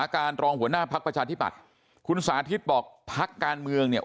การรองหัวหน้าพักประชาธิบัติคุณสาธิตบอกพักการเมืองเนี่ย